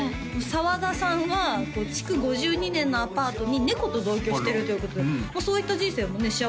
澤田さんは築５２年のアパートに猫と同居してるということでそういった人生もね